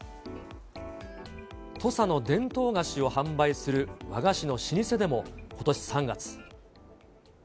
土佐の伝統菓子を販売する和菓子の老舗でもことし３月。